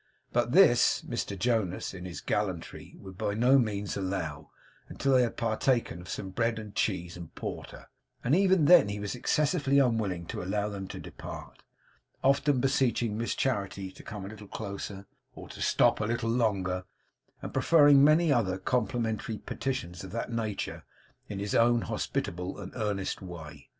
But this, Mr Jonas, in his gallantry, would by no means allow, until they had partaken of some bread and cheese and porter; and even then he was excessively unwilling to allow them to depart; often beseeching Miss Charity to come a little closer, or to stop a little longer, and preferring many other complimentary petitions of that nature in his own hospitable and earnest way.